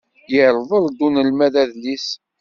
Irḍel-d unelmad adlis.